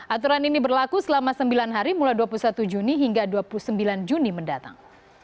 aturan ini berlaku selama sembilan hari mulai dua puluh satu juni hingga dua puluh sembilan juni mendatang